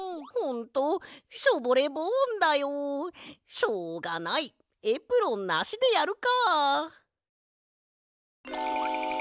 しょうがないエプロンなしでやるか。